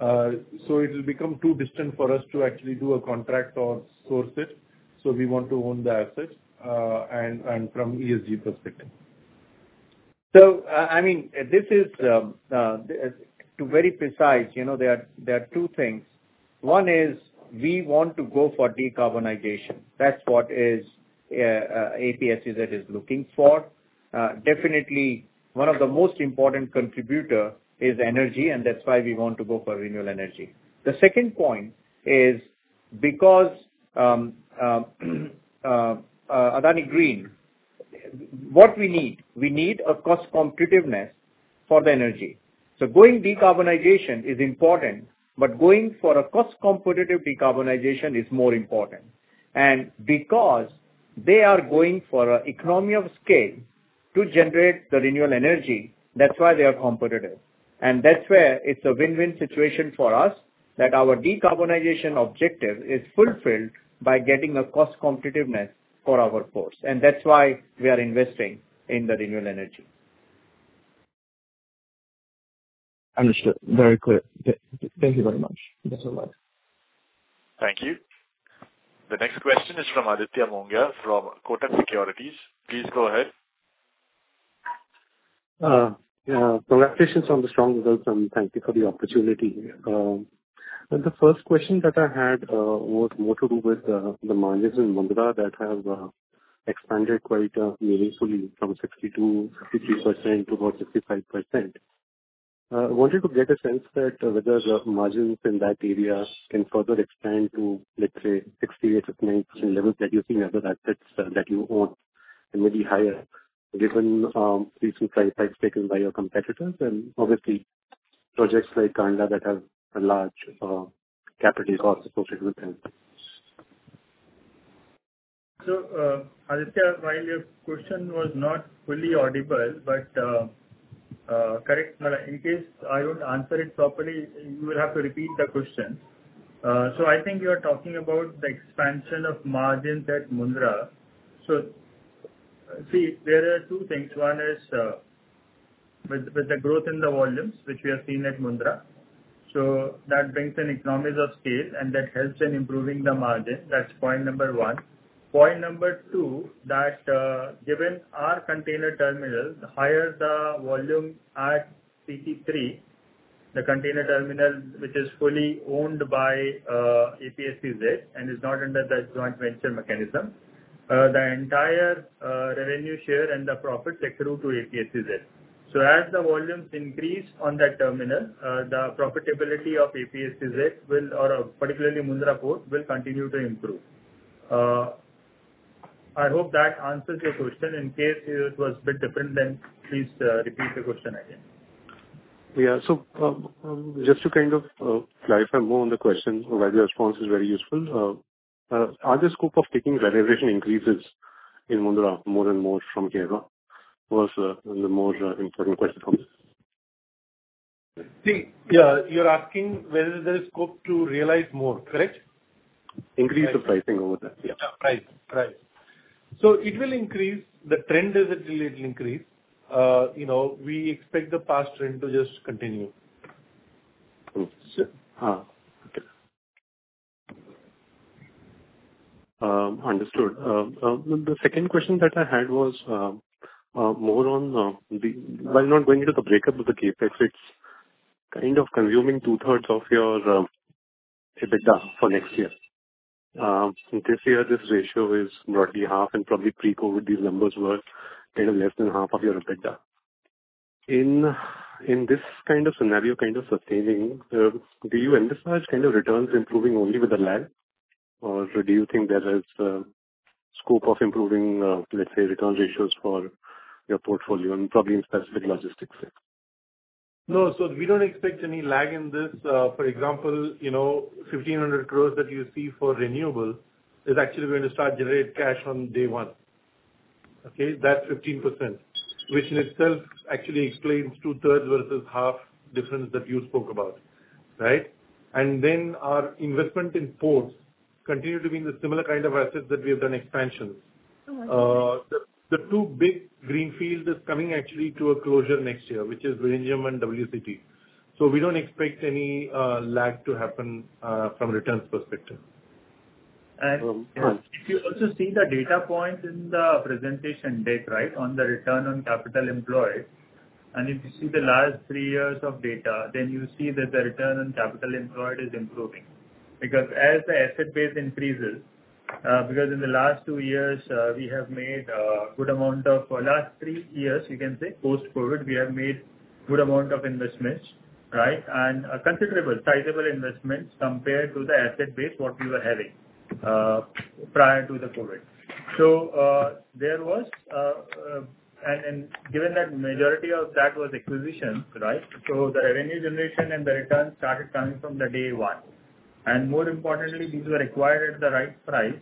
So it will become too distant for us to actually do a contract or source it. So we want to own the asset from ESG perspective. So I mean, this is to be very precise, there are two things. One is we want to go for decarbonization. That's what APSEZ is looking for. Definitely, one of the most important contributors is energy. That's why we want to go for renewable energy. The second point is because Adani Green, what we need, we need a cost competitiveness for the energy. So going decarbonization is important. But going for a cost competitive decarbonization is more important. Because they are going for an economy of scale to generate the renewable energy, that's why they are competitive. That's where it's a win-win situation for us that our decarbonization objective is fulfilled by getting a cost competitiveness for our ports. That's why we are investing in the renewable energy. Understood. Very clear. Thank you very much. That's all right. Thank you. The next question is from Aditya Mongia from Kotak Securities. Please go ahead. Yeah. Congratulations on the strong results. Thank you for the opportunity. The first question that I had was more to do with the margins in Mundra that have expanded quite meaningfully from 62%-63% to about 65%. I wanted to get a sense that whether the margins in that area can further expand to, let's say, 68%-69% levels that you're seeing other assets that you own and maybe higher given recent price tags taken by your competitors and obviously, projects like Karan Adani that have a large capital cost associated with them. So Aditya, while your question was not fully audible, but correct me. In case I don't answer it properly, you will have to repeat the question. So I think you are talking about the expansion of margins at Mundra. So see, there are two things. One is with the growth in the volumes which we have seen at Mundra. So that brings an economy of scale. And that helps in improving the margin. That's point number one. Point number two, that given our Container Terminal, the higher the volume at CT3, the Container Terminal which is fully owned by APSEZ and is not under that joint venture mechanism, the entire revenue share and the profits accrue to APSEZ. So as the volumes increase on that terminal, the profitability of APSEZ or particularly Mundra port will continue to improve. I hope that answers your question. In case it was a bit different, then please repeat the question again. Yeah. So just to kind of clarify more on the question, while your response is very useful, are there scope of taking valuation increases in Mundra more and more from here? That was the more important question from me. See, yeah. You're asking whether there is scope to realize more, correct? Increase the pricing over that. Yeah. Yeah. Price. Price. So it will increase. The trend is that it will increase. We expect the past trend to just continue. Okay. Understood. The second question that I had was more on the while not going into the breakup of the CapEx, it's kind of consuming 2/3 of your EBITDA for next year. This year, this ratio is roughly half. And probably pre-COVID, these numbers were kind of less than half of your EBITDA. In this kind of scenario, kind of sustaining, do you envisage kind of returns improving only with a lag? Or do you think there is scope of improving, let's say, return ratios for your portfolio and probably in specific logistics? No. So we don't expect any lag in this. For example, 1,500 crore that you see for renewable is actually going to start generating cash on day one. Okay? That's 15%, which in itself actually explains two-thirds versus half difference that you spoke about, right? And then our investment in ports continue to be in the similar kind of assets that we have done expansion. The two big greenfields are coming actually to a closure next year, which is Vizhinjam and WCT. So we don't expect any lag to happen from returns perspective. If you also see the data point in the presentation deck, right, on the return on capital employed, and if you see the last three years of data, then you see that the return on capital employed is improving because as the asset base increases because in the last two years, we have made a good amount of last three years, you can say, post-COVID, we have made a good amount of investments, right, and considerable, sizable investments compared to the asset base what we were having prior to the COVID. So there was and then given that majority of that was acquisition, right, so the revenue generation and the returns started coming from day one. And more importantly, these were acquired at the right price.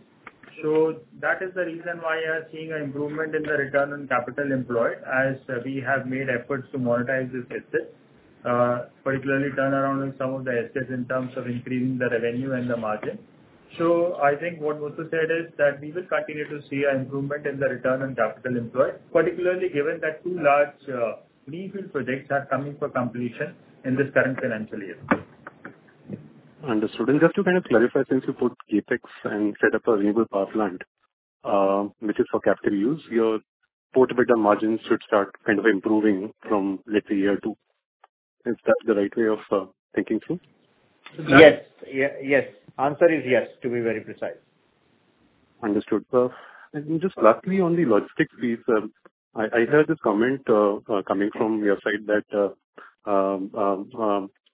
So that is the reason why we are seeing an improvement in the return on capital employed as we have made efforts to monetize this asset, particularly turnaround on some of the assets in terms of increasing the revenue and the margin. So I think what was said is that we will continue to see an improvement in the return on capital employed, particularly given that two large greenfield projects are coming for completion in this current financial year. Understood. Just to kind of clarify, since you put CapEx and set up a renewable power plant, which is for captive use, your port EBITDA margins should start kind of improving from, let's say, year two. Is that the right way of thinking through? Yes. Yes. Answer is yes, to be very precise. Understood. Just lastly, on the logistics piece, I heard this comment coming from your side that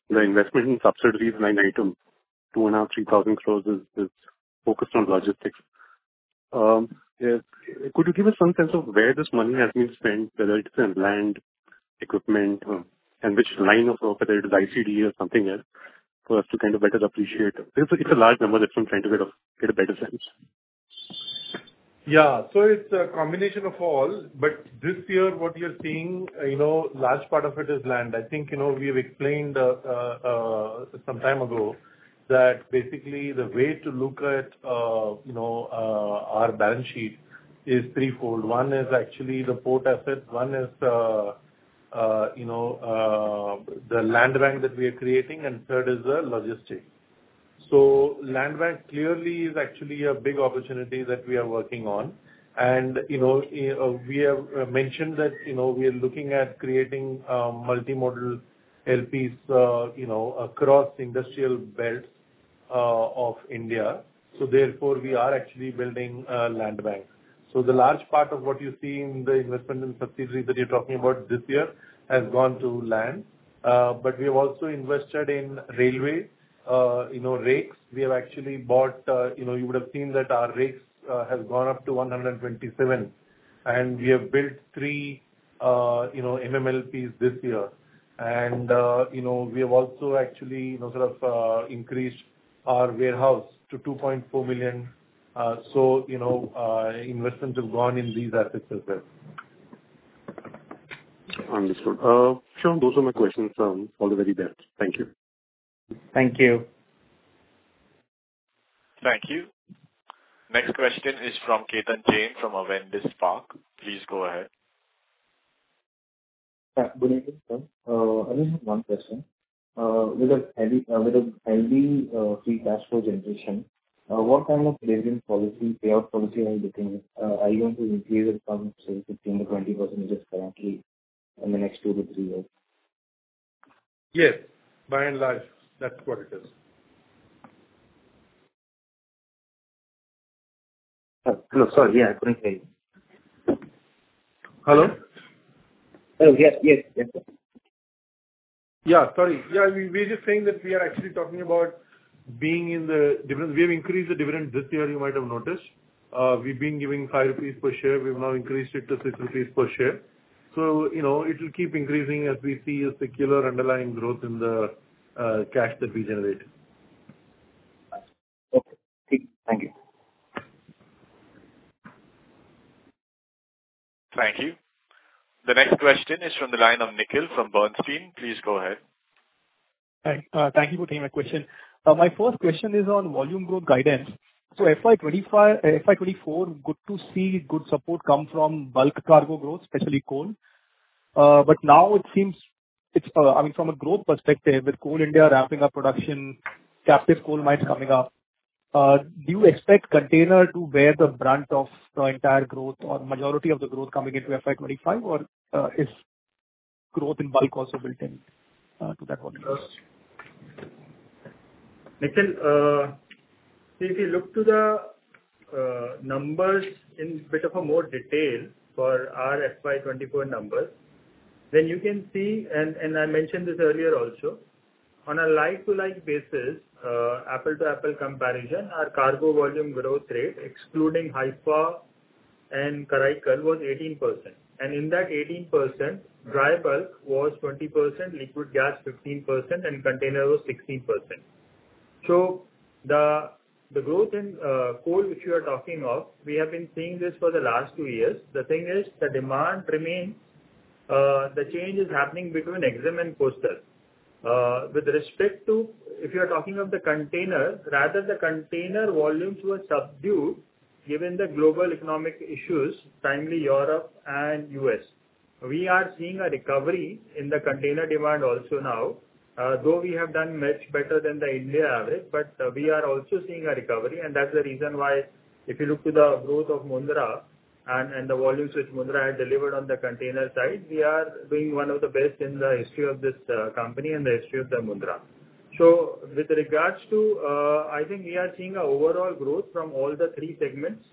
the investment in subsidiaries in the interim, 2,500 crore-3,000 crore, is focused on logistics. Could you give us some sense of where this money has been spent, whether it's in land, equipment, and which line of work, whether it is ICD or something else, for us to kind of better appreciate? It's a large number. That's why I'm trying to get a better sense. Yeah. So it's a combination of all. But this year, what you're seeing, a large part of it is land. I think we have explained some time ago that basically, the way to look at our balance sheet is threefold. One is actually the port assets. One is the land bank that we are creating. And third is the logistics. So land bank clearly is actually a big opportunity that we are working on. And we have mentioned that we are looking at creating multimodal LPs across industrial belts of India. So therefore, we are actually building a land bank. So the large part of what you see in the investment in subsidiaries that you're talking about this year has gone to land. But we have also invested in railway rakes. We have actually bought. You would have seen that our rakes have gone up to 127. We have built three MMLPs this year. We have also actually sort of increased our warehouse to 2.4 million. Investments have gone in these assets as well. Understood. Sure. Those are my questions from all the very best. Thank you. Thank you. Thank you. Next question is from Ketan Jain from Avendus Spark. Please go ahead. Good evening, sir. I just have one question. With a heavy free cash flow generation, what kind of payout policy are you looking at? Are you going to increase it from, say, 15%-20% currently in the next two to three years? Yes. By and large, that's what it is. Hello. Sorry. Yeah. I couldn't hear you. Hello? Hello. Yes. Yes. Yes, sir. Yeah. Sorry. Yeah. We're just saying that we are actually talking about we have increased the dividend this year, you might have noticed. We've been giving 5 rupees per share. We've now increased it to 6 rupees per share. So it will keep increasing as we see a secular underlying growth in the cash that we generate. Okay. Thank you. Thank you. The next question is from the line of Nikhil Nigania from Bernstein. Please go ahead. Hi. Thank you for taking my question. My first question is on volume growth guidance. So FY 2024, good to see good support come from bulk cargo growth, especially Coal. But now it seems I mean, from a growth perspective, with Coal India ramping up production, captive coal mines coming up, do you expect Container to bear the brunt of the entire growth or majority of the growth coming into FY 2025? Or is growth in bulk also built into that volume? Yes. Nikhil, see, if you look to the numbers in a bit more detail for our FY 2024 numbers, then you can see and I mentioned this earlier also, on a like-to-like basis, apple-to-apple comparison, our cargo volume growth rate, excluding Haifa and Karaikal, was 18%. And in that 18%, dry bulk was 20%, liquid gas 15%, and Container was 16%. So the growth in Coal, which you are talking of, we have been seeing this for the last two years. The thing is, the demand remains the change is happening between EXIM and Coastal. With respect to if you are talking of the Container, rather, the Container volumes were subdued given the global economic issues, primarily Europe and U.S. We are seeing a recovery in the Container demand also now, though we have done much better than the India average. But we are also seeing a recovery. And that's the reason why if you look to the growth of Mundra and the volumes which Mundra had delivered on the Container side, we are doing one of the best in the history of this company and the history of the Mundra. So with regards to I think we are seeing an overall growth from all the three segments,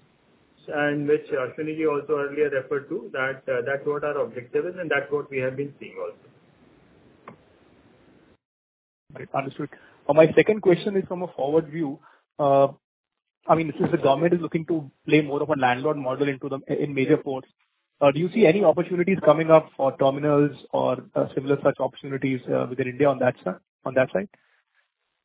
which Ashwani also earlier referred to, that's what our objective is. And that's what we have been seeing also. Understood. My second question is from a forward view. I mean, since the government is looking to play more of a landlord model in major ports, do you see any opportunities coming up for terminals or similar such opportunities within India on that side?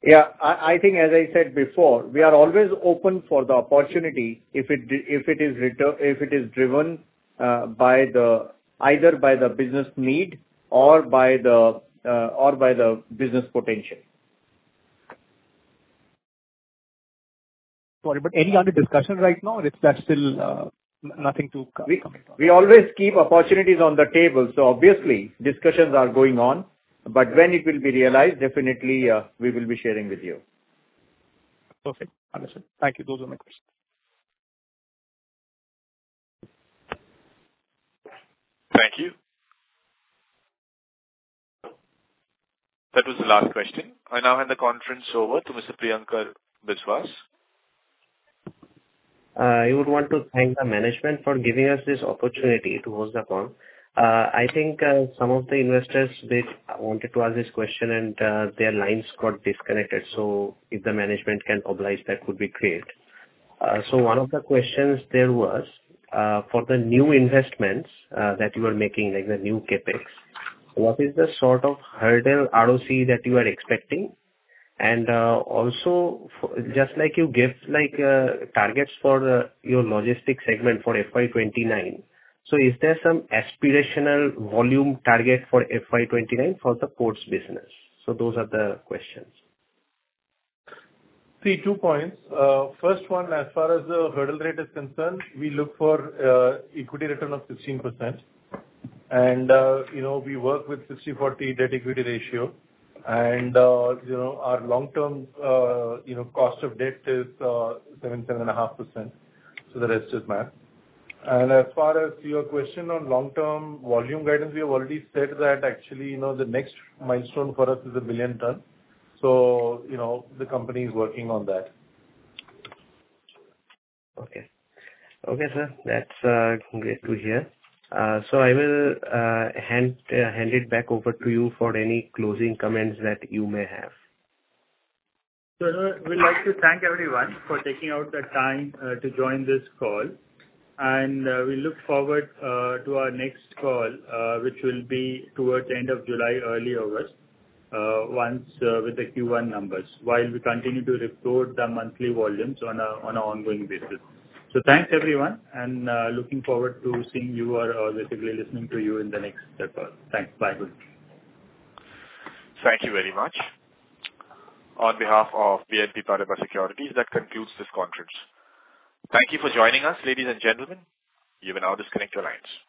Yeah. I think, as I said before, we are always open for the opportunity if it is driven either by the business need or by the business potential. Sorry. But any other discussion right now? Or is that still nothing to comment on? We always keep opportunities on the table. So obviously, discussions are going on. But when it will be realized, definitely, we will be sharing with you. Perfect. Understood. Thank you. Those are my questions. Thank you. That was the last question. I now hand the conference over to Mr. Priyankar Biswas. I would want to thank the management for giving us this opportunity to host the call. I think some of the investors wanted to ask this question. Their lines got disconnected. If the management can mobilize, that could be great. One of the questions there was, for the new investments that you are making, like the new CapEx, what is the sort of hurdle ROC that you are expecting? Also, just like you gave targets for your logistics segment for FY 2029, so is there some aspirational volume target for FY 2029 for the ports business? Those are the questions. See, two points. First one, as far as the hurdle rate is concerned, we look for equity return of 16%. We work with 60/40 debt-equity ratio. Our long-term cost of debt is 7%-7.5%. So the rest is math. As far as your question on long-term volume guidance, we have already said that actually, the next milestone for us is 1 billion ton. The company is working on that. Okay. Okay, sir. That's great to hear. So I will hand it back over to you for any closing comments that you may have. Sir, we'd like to thank everyone for taking out the time to join this call. We look forward to our next call, which will be towards the end of July, early August, with the Q1 numbers while we continue to report the monthly volumes on an ongoing basis. Thanks, everyone. Looking forward to seeing you or basically listening to you in the next call. Thanks. Bye. Thank you very much. On behalf of BNP Paribas Securities, that concludes this conference. Thank you for joining us, ladies and gentlemen. You may now disconnect your lines.